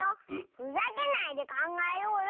ふざけないでかんがえようよ！